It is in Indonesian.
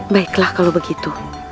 baiklah kalau begitu